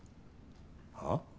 はっ？